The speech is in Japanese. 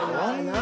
何？